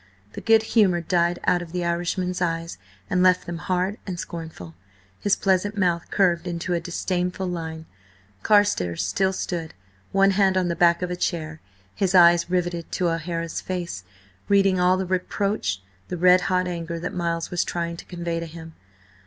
The good humour died out of the Irishman's eyes and left them hard and scornful. His pleasant mouth curved into a disdainful line. Carstares stood still, one hand on the back of a chair, his eyes rivetted to O'Hara's face, reading all the reproach, the red hot anger that Miles was trying to convey to him.